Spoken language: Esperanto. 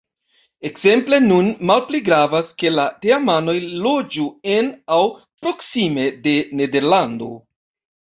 Ekzemple nun malpli gravas, ke la teamanoj loĝu en aŭ proksime de Nederlando.